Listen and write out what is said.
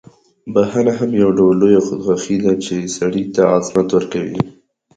بخښنه هم یو ډول لویه خودخواهي ده، چې سړی ته عظمت ورکوي.